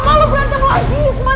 gak mau lo berantem lagi usman